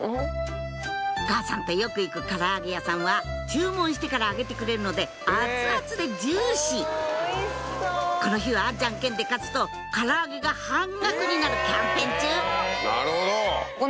お母さんとよく行くから揚げ屋さんは注文してから揚げてくれるので熱々でジューシーこの日はジャンケンで勝つとから揚げが半額になるキャンペーン中なるほど！